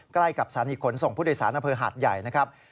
ใกล้กับสานิขนส่งผู้โดยสามารถภัยหาดใหญ่นะครับ